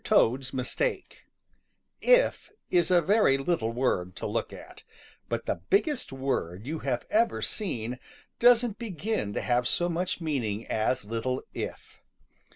TOAD'S MISTAKE If is a very little word to look at, but the biggest word you have ever seen doesn't begin to have so much meaning as little "if."